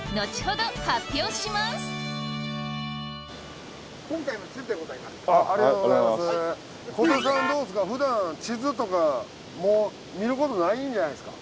どうですかふだん地図とかもう見ることないんじゃないですか？